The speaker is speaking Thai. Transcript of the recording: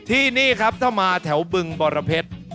ที่นี่ครับถ้ามาแถวบึงบรเพชร